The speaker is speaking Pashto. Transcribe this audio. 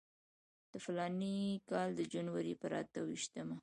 د فلاني کال د جنورۍ پر اته ویشتمه.